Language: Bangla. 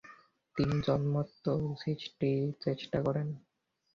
তিনি জনমত সৃষ্টির চেষ্টা করেন।